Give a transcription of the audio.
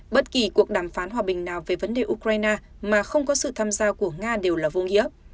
bất kỳ cuộc đàm phán hòa bình nào về vấn đề ukraine mà không có sự tham gia của nga đều là vô nghĩa